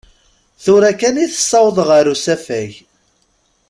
Tura kan i t-ssawḍeɣ ar usafag.